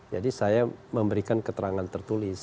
jadi saya memberikan keterangan tertulis